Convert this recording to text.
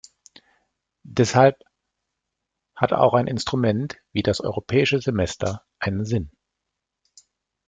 Deshalb hat auch ein Instrument wie das Europäische Semester einen Sinn.